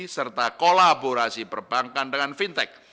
serta kolaborasi perbankan dengan fintech